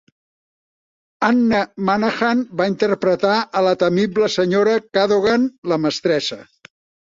Anna Manahan va interpretar a la temible senyora Cadogan, la mestressa.